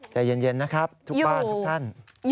ใจเย็นนะครับทุกบ้านทุกท่าน